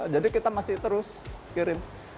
jadi kita masih terus kirim